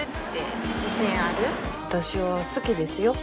私は好きですよ。